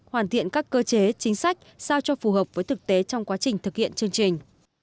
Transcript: hoàn thiện các cơ chế chính sách sao cho phù hợp với thực tế trong quá trình thực hiện chương trình